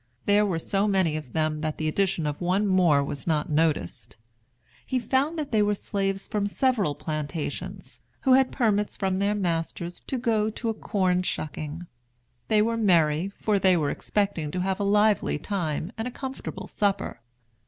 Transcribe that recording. There were so many of them that the addition of one more was not noticed. He found that they were slaves from several plantations, who had permits from their masters to go to a corn shucking. They were merry, for they were expecting to have a lively time and a comfortable supper.